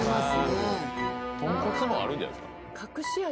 とんこつもあるんじゃないですか。